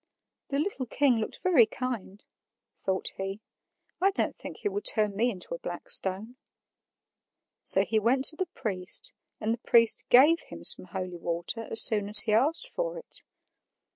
"The little king looked very kind," thought he. "I don't think he will turn me into a black stone." So he went to the priest, and the priest gave him some holy water as soon as he asked for it.